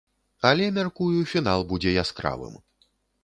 Але, мяркую, фінал будзе яскравым.